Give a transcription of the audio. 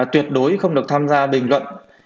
tuyệt đối không được tham gia bình luận